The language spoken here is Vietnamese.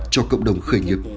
cho cộng đồng khởi nghiệp